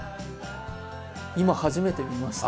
今初めて見ました。